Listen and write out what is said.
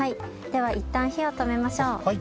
ではいったん火を止めましょう。